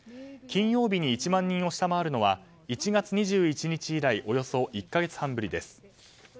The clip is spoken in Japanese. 金曜日に１万人を下回るのは１月２１日以来およそ１か月半ぶりです。